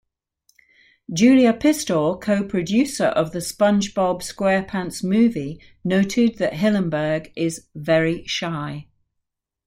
Julia Pistor, co-producer of "The SpongeBob SquarePants Movie", noted that Hillenburg is "very shy".